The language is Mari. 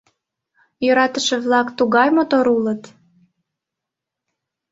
Йӧратыше-влак тугай мотор улыт!